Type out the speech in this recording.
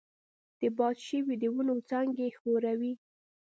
د باد شور د ونو څانګې ښوروي.